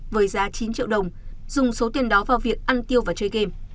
với giá chín triệu đồng dùng số tiền đó vào việc ăn tiêu và chơi game